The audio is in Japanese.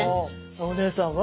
お姉さんは？